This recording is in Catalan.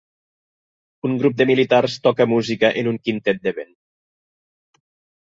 Un grup de militars toca música en un quintet de vent.